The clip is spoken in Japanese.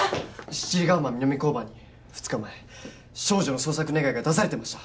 七里ヶ浜南交番に２日前少女の捜索願が出されてました